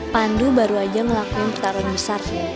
pandu baru aja melakukan pertarungan besar